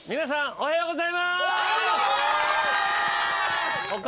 おはようございます！